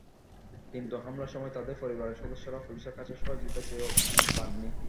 কিন্তু হামলার সময় তাঁদের পরিবারের সদস্যরা পুলিশের কাছে সহযোগিতা চেয়েও পাননি।